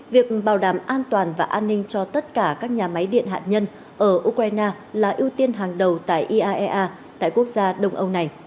việc bảo đảm an toàn và an ninh cho tất cả các nhà máy điện hạt nhân ở ukraine là ưu tiên hàng đầu tại iaea tại quốc gia đông âu này